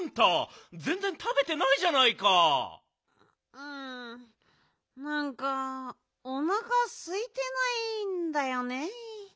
うんなんかおなかすいてないんだよね。